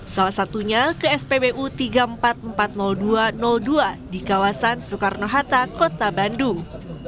salah satunya ke spbu tiga empat ribu empat ratus dua dua di kawasan soekarno hatta kota bandung